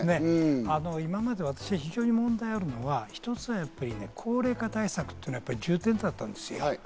今まで私は非常に問題があるのは、一つはやっぱり高齢化対策が重点だったんですよ。